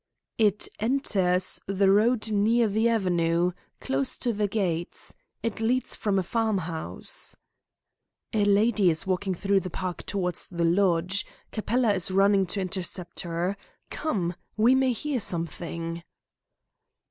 "It enters the road near the avenue, close to the gates. It leads from a farmhouse." "A lady is walking through the park towards the lodge. Capella is running to intercept her. Come! We may hear something."